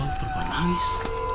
oh perempuan menangis